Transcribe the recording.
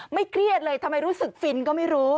เครียดเลยทำไมรู้สึกฟินก็ไม่รู้